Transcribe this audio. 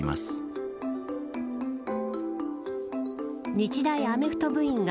日大アメフト部員が